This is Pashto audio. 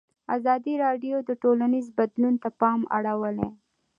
ازادي راډیو د ټولنیز بدلون ته پام اړولی.